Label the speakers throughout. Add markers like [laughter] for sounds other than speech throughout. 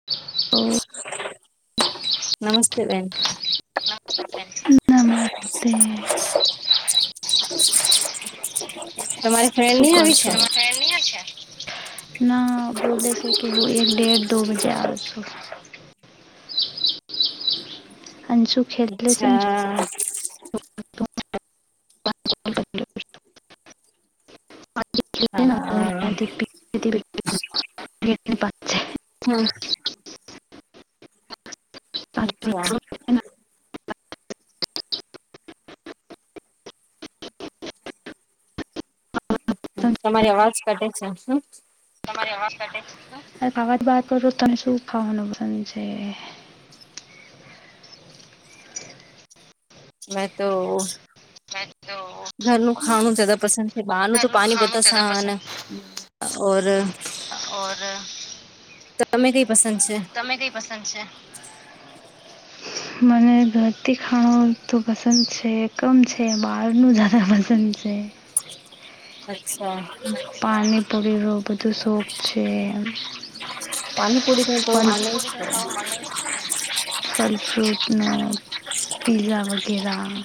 Speaker 1: [inaudible]
Speaker 2: નમસ્તે બેન.
Speaker 1: નમસ્તે.
Speaker 2: તમારે [unintelligible]
Speaker 1: [unintelligible] ના બોલેલે છે કે હું એક ડેઢ દ બજે આવ છો. અને શું ખેડલે છે
Speaker 2: અચ્છા
Speaker 1: [unintelligible] આજે ખેલે ને
Speaker 2: હા
Speaker 1: હું
Speaker 2: હા.
Speaker 1: અહીંયાથી [unintelligible]
Speaker 2: હમ્મ.
Speaker 1: પાછળ
Speaker 2: અચ્છા.
Speaker 1: છું. અને તમે-
Speaker 2: તમારી અવાજ કઢે છે હમ.
Speaker 1: [unintelligible]
Speaker 2: મે તો
Speaker 1: બ તો [unintelligible]
Speaker 2: ઘરનું ખાણ જ પસંદ છે બહારનું તો પાણી
Speaker 1: ખાવાનું જ્યાદા
Speaker 2: બધતાસાન, ઓર
Speaker 1: ઓર
Speaker 2: તમે કઈ પસંદ છે?
Speaker 1: અમે કઈ પસંદ છે [unintelligible] મને રતી ખાણો તો પસંદ છે કમ છે બહારનું જ પ તજે [unintelligible]
Speaker 2: અચ્છા.
Speaker 1: પાણી પીરો બધું શોખ છે.
Speaker 2: પાણીપુરી નું તો
Speaker 1: પ
Speaker 2: મને છે
Speaker 1: [unintelligible] ફલ ફ્રૂટ ન પઝ્ઝા વગેરહ.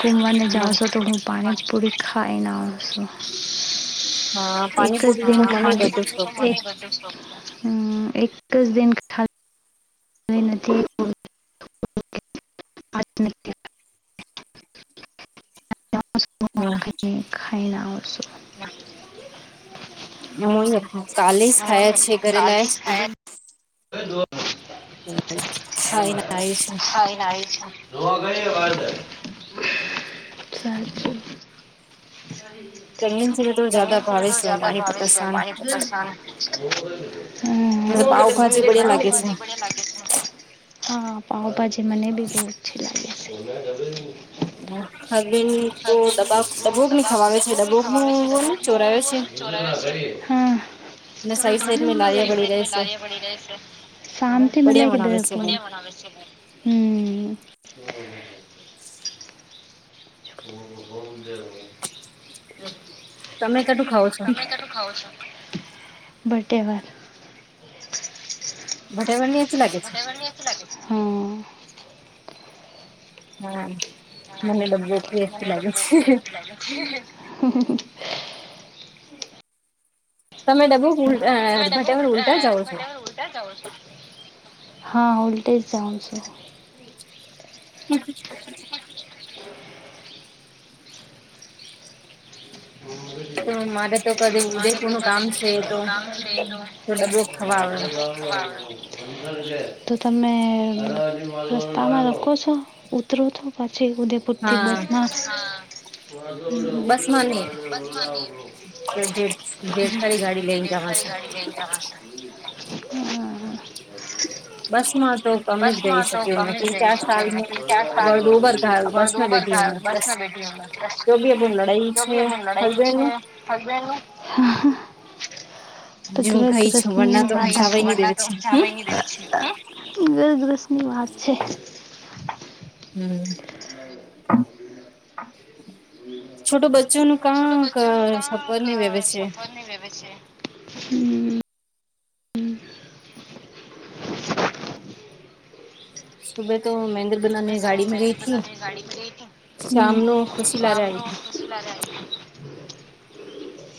Speaker 1: ઘુમવારને જા છો તો ઘ હું પાણી જ પરીખા એને છો.
Speaker 2: હા
Speaker 1: એક જ
Speaker 2: પાણીપુરી નું
Speaker 1: દિન
Speaker 2: તો મને
Speaker 1: ખાડી
Speaker 2: બધો શોખ છે
Speaker 1: એક હમ, એક જ દન નથી [unintelligible]
Speaker 2: હા.
Speaker 1: ખાઈના આવસો.
Speaker 2: હમ કાલેસ ખાયા છે ઘરે લા
Speaker 1: દર [unintelligible]
Speaker 2: હા એ આવી છે.
Speaker 1: ગ [unintelligible] સાચું,
Speaker 2: પ્રેગ્નેન્સીમાં
Speaker 1: તો જ બિશ
Speaker 2: જ્યાદા ભાવે છે પાણી પતાસાન મને પાવભાજી
Speaker 1: પાણીશ
Speaker 2: બઢિયા લાગે છે.
Speaker 1: [unintelligible] [inaudible] હા પાવ ભાજી મને ભી બહુ અચ્છી લાગે છે.
Speaker 2: હ હવેન તો દબાવ દબોક ને [unintelligible]
Speaker 1: ોગ
Speaker 2: છે.
Speaker 1: ખ
Speaker 2: ને સાઈડ સાઈડ મે લારીયા પડી રહે
Speaker 1: છે [unintelligible] શાંતિ મલા
Speaker 2: બઢિયા
Speaker 1: ક
Speaker 2: બનાવે છે ઘર
Speaker 1: [unintelligible] હમ.
Speaker 2: અચ [unintelligible] તમે કટું ખાવ છો?
Speaker 1: તમે કું ખાવ છો [unintelligible] બટેવાર,
Speaker 2: બધાવ ચું લાગે છે [unintelligible]
Speaker 1: હમ.
Speaker 2: હા મને ડબી એ લાગ છે.
Speaker 1: હમ હ હ,
Speaker 2: તમે ડબો ઉલ ભટમર ઉલટા જા [unintelligible] ઓ છો
Speaker 1: હા વલ્ટેજ જઉ છે [unintelligible]
Speaker 2: મ [inaudible] તો મારે તો કદી
Speaker 1: હા
Speaker 2: ઉદયપુર નું કામ છે તો
Speaker 1: [inaudible] કામ છે.
Speaker 2: તો ડબ્બોક ખવા આવે
Speaker 1: તો તમે રસ્તામાં રાખો છો, ઉતરો પાછી ઉદેપુરથી
Speaker 2: હા
Speaker 1: બસ માં,
Speaker 2: મને..
Speaker 1: બસારી ગાડી ગ
Speaker 2: જેઠ ખરી ગાડી લઈને જવા છે.
Speaker 1: જા [unintelligible] હ
Speaker 2: બસમાં તો કમ જ જઈ
Speaker 1: બસ તો
Speaker 2: શકી મે
Speaker 1: કમી જ જઈ
Speaker 2: ચાર સાલ મે
Speaker 1: શકે ત્યાં
Speaker 2: અબાર દો બાર બસ
Speaker 1: સારી
Speaker 2: મે
Speaker 1: દોબર,
Speaker 2: બેઠી હું મે
Speaker 1: બસ ના બેઠી માસ
Speaker 2: જો બી અ લડાઈ
Speaker 1: તો
Speaker 2: છે
Speaker 1: બી બુ લડાઈ
Speaker 2: હસબેન્ડ
Speaker 1: છે,
Speaker 2: નું
Speaker 1: [unintelligible] [inaudible] તો ગ
Speaker 2: જ હું
Speaker 1: રસ
Speaker 2: ગઈ છું વરના તો
Speaker 1: વા [unintelligible]
Speaker 2: જવાય નહી દેવે છે હમ
Speaker 1: ઘરઘરની વાત છે.
Speaker 2: હમ. છોટે બચ્ચો નું સપર નહી આવે છે.
Speaker 1: ન ભવે છે [unintelligible] હમ. હમ. [inaudible] [unintelligible]
Speaker 2: સુબે તો મહેન્દ્ર
Speaker 1: અચ્છા
Speaker 2: બનાની ગાડી મે ગઈ થી શામ ન ખુશી લારે આવી હતી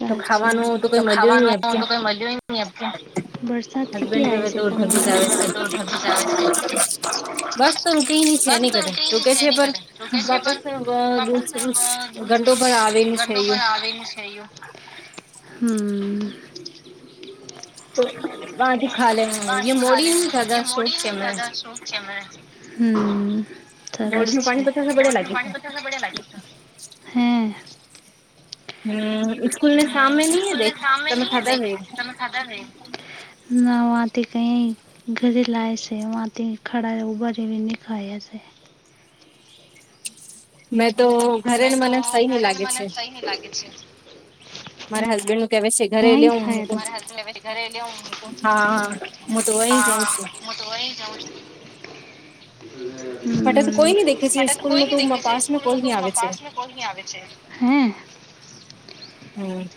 Speaker 2: તો ખાવાનું
Speaker 1: તો
Speaker 2: કઈ મળ્યું ય નહી
Speaker 1: ખાવાનું
Speaker 2: અબકે
Speaker 1: તો કઈ મળ્યું નહી વરસાદ કેટલી
Speaker 2: હસબેન્ડ
Speaker 1: આવે
Speaker 2: હવે
Speaker 1: છે.
Speaker 2: તો ઢગી
Speaker 1: તમારા
Speaker 2: જ આવે
Speaker 1: હવે
Speaker 2: છે
Speaker 1: તોઢ જ આવે છે.
Speaker 2: બસ તો રૂટીન છે
Speaker 1: બસ
Speaker 2: નની
Speaker 1: તો
Speaker 2: કટે
Speaker 1: રોટીની
Speaker 2: રૂકે
Speaker 1: છે નાની
Speaker 2: પર
Speaker 1: કદ રોટી છે
Speaker 2: વાપસ
Speaker 1: પણ બાપ,
Speaker 2: ઘંટો ભર આવેલું છે એવું
Speaker 1: ગડોબર આવેનું છે અયા, હમ. [unintelligible] લે
Speaker 2: છે
Speaker 1: મોડી
Speaker 2: મને
Speaker 1: [unintelligible] છે મે. હમ્મ
Speaker 2: મોડ
Speaker 1: સરસ
Speaker 2: નું પાણી
Speaker 1: છે.
Speaker 2: પતા બડે લાગે છે
Speaker 1: [unintelligible] હે
Speaker 2: હમ્મ સ્કૂલ ને સામે નઈ દેખ
Speaker 1: સામે
Speaker 2: તમે
Speaker 1: નહી
Speaker 2: ખાધા
Speaker 1: દેખ
Speaker 2: નઈ
Speaker 1: ના વાથી કઈ, ઘરે લાય છે વાથી ખડા ઉભારેની ખાયા છે.
Speaker 2: મેં તો ઘરેને મને સઈ નહી લાગે છે. મારા હસબેન્ડ, કે છે ઘરે લેવ હ તો
Speaker 1: ઘરે લેવું હતું
Speaker 2: હા હા હું તો વહી જાઉં છું.
Speaker 1: [unintelligible]
Speaker 2: ફટા તો કોઈ નઈ દેખે છે
Speaker 1: બટ
Speaker 2: સ્કૂલ
Speaker 1: કોઈ ન
Speaker 2: તો
Speaker 1: દેખે છે
Speaker 2: પાસ મે
Speaker 1: સ્કૂલનુ
Speaker 2: કોઈ
Speaker 1: તો
Speaker 2: નઈ આવે છે
Speaker 1: [inaudible] કોલની આવે છે હે
Speaker 2: હમ,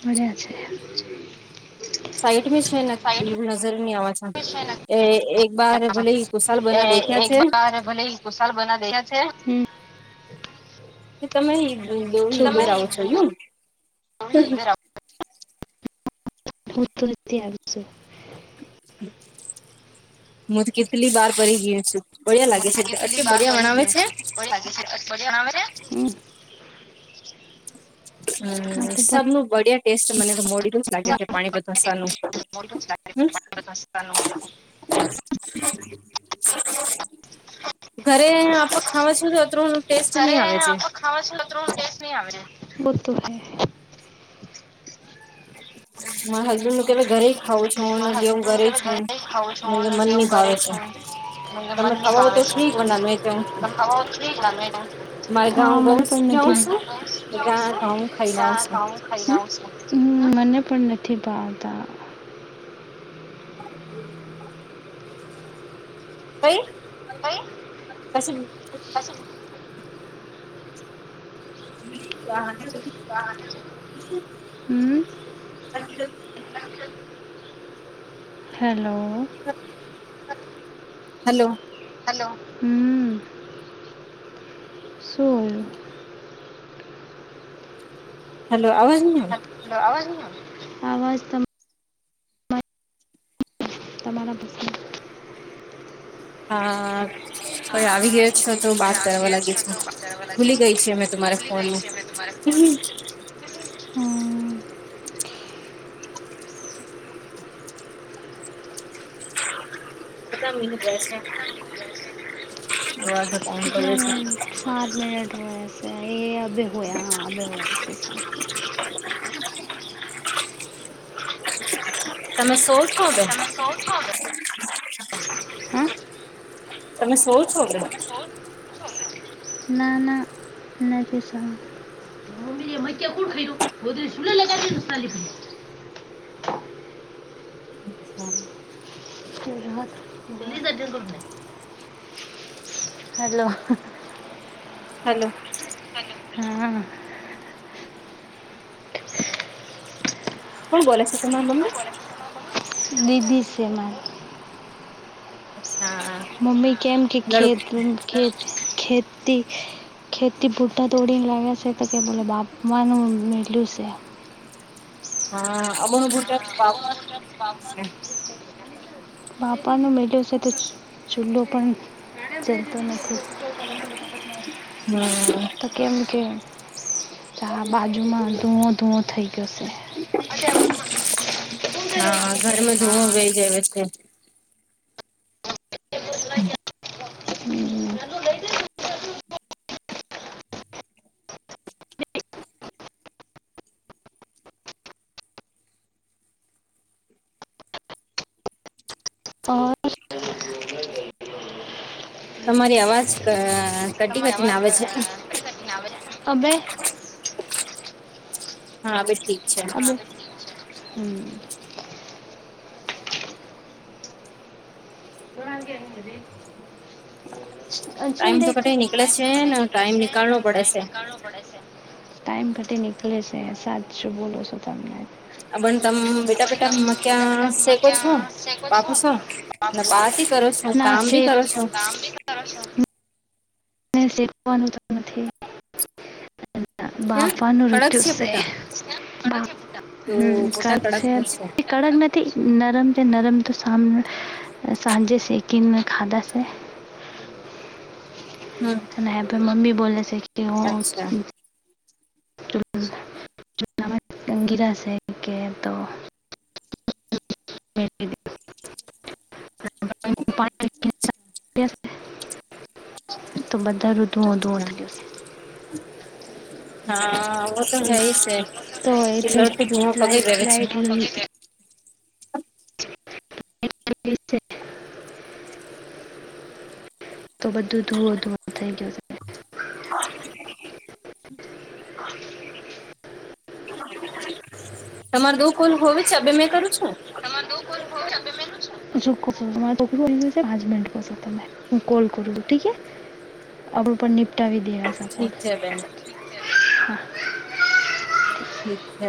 Speaker 1: ફર્યા છે
Speaker 2: સાઈટ મે છે ને ગ્રીન નજર ની આવે છે એ એક બાર ભલે કુશાલ
Speaker 1: એ
Speaker 2: બના દે ખ્યા
Speaker 1: એક
Speaker 2: છે.
Speaker 1: બાર ભલે કુશાલ બના દેયા છે.
Speaker 2: કે તમે અ દોરી
Speaker 1: શું તમે
Speaker 2: ઈધર આવો
Speaker 1: બોલ?
Speaker 2: છો યું
Speaker 1: ઈ
Speaker 2: [unintelligible]
Speaker 1: ઇધર [unintelligible] આવે છે
Speaker 2: હું તો કેટલી બાર પડી ગયો છું બળિયા લાગે છે, એટલી બળિયા વણાવે છે?
Speaker 1: [unintelligible] આગ [inaudible]
Speaker 2: હમ્મ સબનું બડિયા ટેસ્ટ મને તો મોડી તુચ્છ લાગે
Speaker 1: પણ
Speaker 2: છે પાણી બધા સાનુ
Speaker 1: મોટું ઘરે
Speaker 2: [inaudible] ઘરે આપડ ખાવા છું તો તણ ટેસ્ટ ની આવે છે.
Speaker 1: આપણે ખાવા [unintelligible] ટેસ્ટ નહી આવે [unintelligible]
Speaker 2: મારા હસબેન્ડ નું પેલા ઘરે ખાઉં છું ને જેવું
Speaker 1: મને
Speaker 2: ઘરે
Speaker 1: કે
Speaker 2: છું
Speaker 1: જ
Speaker 2: મને મનની ભાવે છે
Speaker 1: એટલે મન
Speaker 2: તમે
Speaker 1: ની
Speaker 2: ખાવાઓ
Speaker 1: ભાવે
Speaker 2: તો
Speaker 1: છે
Speaker 2: ઠીક પણ અમે જાઉં છું
Speaker 1: પણ ખવા નુ જોઈએ ને
Speaker 2: મારે ગાઉ
Speaker 1: હા
Speaker 2: ગઉ
Speaker 1: મન પણ
Speaker 2: જાઉં
Speaker 1: નથી
Speaker 2: છું ઘઉં ખાઈને આવું છું હમ
Speaker 1: હમ મને પણ નથી ભાવતા
Speaker 2: કઈ
Speaker 1: કઈ,
Speaker 2: પછી
Speaker 1: કશું
Speaker 2: [unintelligible]
Speaker 1: હમ્મ હેલો.
Speaker 2: [inaudible]
Speaker 1: હ [inaudible]
Speaker 2: હાલો.
Speaker 1: હાલો, હમ્મ શું
Speaker 2: હલો આવાજ ન
Speaker 1: હ આવાજ ની આવતો તો, અવાજ ત તમારા પસંદ
Speaker 2: હા. કોઈ આવી
Speaker 1: હા
Speaker 2: ગયો છો તો બાત કરવા લાગી છે,
Speaker 1: લાગે
Speaker 2: ભૂલી ગઈ
Speaker 1: છે
Speaker 2: છી અમે તમારે ફોન.
Speaker 1: તમારે ફોન
Speaker 2: હમ.
Speaker 1: હમ.
Speaker 2: પતા મને બેસ [unintelligible]
Speaker 1: હ [inaudible]
Speaker 2: બ [unintelligible]
Speaker 1: તલા મ સાત મિનટ હો છે એ અભ હોયા હા અભ હો છે સાત [unintelligible] હ [inaudible]
Speaker 2: તમે શો કો કે?
Speaker 1: સૌ છ [unintelligible] હા?
Speaker 2: તમે શો છો ને?
Speaker 1: નાના, નાઢસ. મમ્મી એ મ્યા કોણ ખાઈ્યું ગોધ સુલે લગાીાલી પ [unintelligible]
Speaker 2: હા.
Speaker 1: હેલો.
Speaker 2: હલો.
Speaker 1: હા.
Speaker 2: કોણ બોલાલો છે ત તમા મમ્મી?
Speaker 1: દીદી છે મારી.
Speaker 2: અચ્છા.
Speaker 1: મમ્મી કેમ કે
Speaker 2: લડ
Speaker 1: ખેત ખ ખેતી. ખેતી બુઢા દોડીને લાવ્યા છે તો કે બોલે બાપમાનું મેલ્યું છે.
Speaker 2: હામ ગુટરાપા [unintelligible]
Speaker 1: બાપાનો મેળો છે તો ચૂલો પણ જતો નથી.
Speaker 2: હા.
Speaker 1: તો કેમ કે ચાર બાજુમાં ધૂવો ધૂવો થઈ ગયોશે. હ આો તંધરો
Speaker 2: હા
Speaker 1: બીજે
Speaker 2: ઘરમાં
Speaker 1: હ
Speaker 2: ધુઓ
Speaker 1: [unintelligible]
Speaker 2: વહી જાય છે.
Speaker 1: હમ. હા.
Speaker 2: તમારી અવાજ કટી કટી ના આવે છે.
Speaker 1: તબ [unintelligible]
Speaker 2: હા અવે છે.
Speaker 1: આમ હમ. બ કેે [unintelligible] ું
Speaker 2: ટાઈમ તો
Speaker 1: દેખ
Speaker 2: કટે નીકળે
Speaker 1: ટાઈમ
Speaker 2: છે
Speaker 1: તો
Speaker 2: ને
Speaker 1: નીકળે
Speaker 2: ટાઈમ
Speaker 1: છેને
Speaker 2: નીકાળવો પડે
Speaker 1: ટાઈમ
Speaker 2: છે.
Speaker 1: નીકળવો પડે છે [unintelligible] ટાઈમ ખાતી નીકળે છે સાચું બોલો છો તમને.
Speaker 2: આ બ તમે બેટા પ
Speaker 1: આપણે
Speaker 2: બેટા ક્યાં શેકો છો, બાપુ શું. એટલે
Speaker 1: બાપુ છો
Speaker 2: બાસ કરો છો
Speaker 1: ને ના,
Speaker 2: કામ
Speaker 1: વાત છે.
Speaker 2: ભી કરો છો.
Speaker 1: [unintelligible] સેનું તો નથી.
Speaker 2: હે
Speaker 1: બાપાનું
Speaker 2: કડક
Speaker 1: રક્યું છે.
Speaker 2: પોટા તો
Speaker 1: હમ કર
Speaker 2: પોટા
Speaker 1: છે,
Speaker 2: કડક
Speaker 1: કડક તે નરમ છે નરમ તો સાને, સાંજે સેકીંગને ખાધા છે.
Speaker 2: હા.
Speaker 1: છે અને ના આપ મમ્મી બોલલે છે કે હ ગીરાશે કે તો [unintelligible] પાણી રહેશે તો બધા ઋતુ ઓઊંધ [unintelligible]
Speaker 2: અચ્છા હા વો તો હે ઈ છે
Speaker 1: [unintelligible]
Speaker 2: પિલરથી ધુઓ પગઈ
Speaker 1: લઇટ
Speaker 2: રહે છે
Speaker 1: લઇટ [unintelligible] તો બધું ધુવો ધુ થઈ ગયો હસે. [inaudible]
Speaker 2: તમાર દોઉ કોલ હોવે છે હવે મેં કરું છું.
Speaker 1: [unintelligible] [unintelligible] આપડું પણ નિપટાવી દેવા.
Speaker 2: ઠીક છે બેન ઠીક છે.